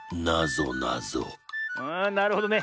あなるほどね。